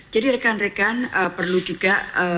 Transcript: jadi rekan rekan perlu juga